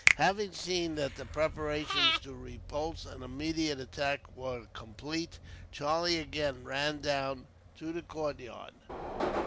Having seen that the preparations to repulse an immediate attack were complete, Charlie again ran down to the courtyard.